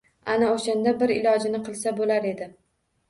Ana o‘shanda bir ilojini qilsa bo‘lar edi.